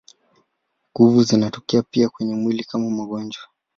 Kuvu zinatokea pia kwenye mwili kama magonjwa.